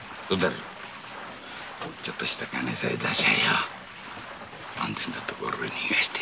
ちょっとした金さえ出しゃ安全な所へ逃がしてやるぜ。